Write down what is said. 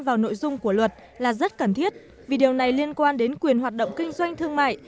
vào nội dung của luật là rất cần thiết vì điều này liên quan đến quyền hoạt động kinh doanh thương mại